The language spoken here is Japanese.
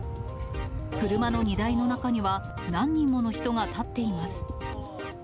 車の荷台の中には、何人もの人が立っています。